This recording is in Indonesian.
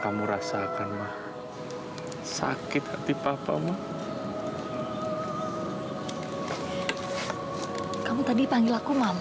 kamu rasakan mah sakit hati papa mau kamu tadi panggil aku mama